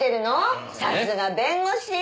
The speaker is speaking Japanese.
さすが弁護士！